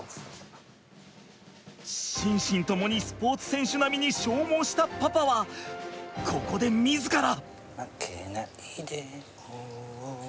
心身ともにスポーツ選手並みに消耗したパパはここで自ら。